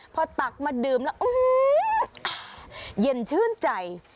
พอตักมาดื่มแล้วเย็นชื่นใจ